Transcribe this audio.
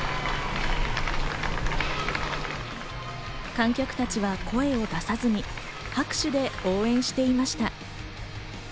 観客たちは声を出さずに拍手で応援していました。